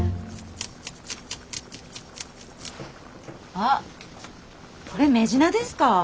あっこれメジナですか？